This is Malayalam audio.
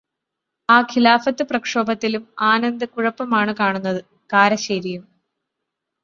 ആ ഖിലാഫത്ത് പ്രക്ഷോഭത്തിലും ആനന്ദ് കുഴപ്പമാണു കാണുന്നത്, കാരശേരിയും.